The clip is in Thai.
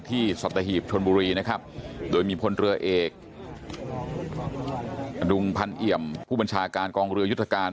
สัตหีบชนบุรีนะครับโดยมีพลเรือเอกอดุงพันเอี่ยมผู้บัญชาการกองเรือยุทธการ